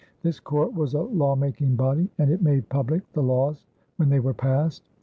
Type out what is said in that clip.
This court was a lawmaking body and it made public the laws when they were passed.